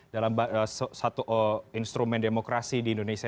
dalam satu instrumen demokrasi di indonesia